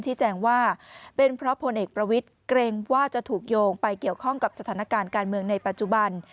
แจ้งว่าเป็นเพราะพลเอกประวิทย์เกรงว่าจะถูกโยงไปเกี่ยวข้องกับสถานการณ์การเมืองในปัจจุบัน